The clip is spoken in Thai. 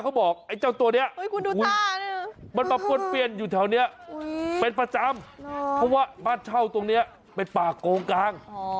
เขาจะได้เห็นไงปิดตาไว้เออถ้าไม่เห็นจะได้ไม่กลัวมั้ง